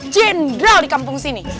jendral di kampung sini